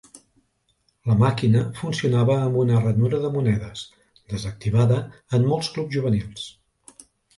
La màquina funcionava amb una ranura de monedes desactivada en molts clubs juvenils.